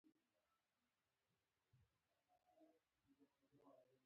کلاسیک لېبرال برابرو حقوقو استدلال کوي.